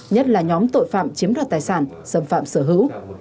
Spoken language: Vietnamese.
nhất là nhóm tội phạm chiếm đoạt tài sản xâm phạm sở hữu